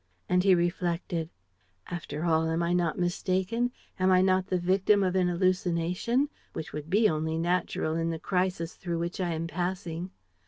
And he reflected: "After all, am I not mistaken? Am I not the victim of an hallucination, which would be only natural in the crisis through which I am passing?